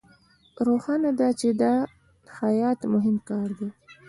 روښانه ده چې دا د خیاط مهم کار دی